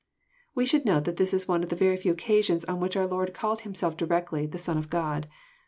We should note that this is one of the very few occasions on \ vhich our Lord called Himself directly " the Son of God.